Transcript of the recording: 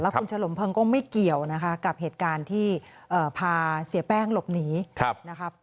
คุณฉลมพังก็ไม่เกี่ยวนะคะกับเหตุการณ์ที่พาเสียแป้งหลบหนีนะครับ